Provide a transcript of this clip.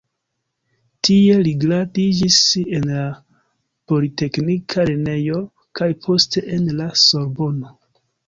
Tie li gradiĝis en la "Politeknika Lernejo" kaj poste en la Sorbono.